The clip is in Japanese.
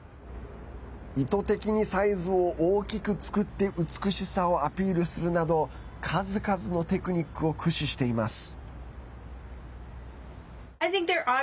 意図的にサイズを大きく作って美しさをアピールするなど数々のテクニックを駆使しています。